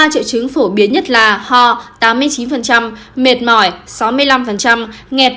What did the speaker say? ba triệu chứng phổ biến nhất là ho tám mươi chín mệt mỏi sáu mươi năm nghẹt